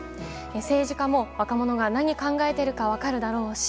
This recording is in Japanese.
政治家も若者が何考えているか分かるだろうし。